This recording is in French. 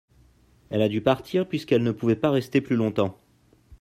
elle a du partir puisqu'elle ne pouvait pas rester plus longtemps.